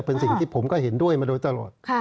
เป็นสิ่งที่ผมก็เห็นด้วยมาโดยตลอด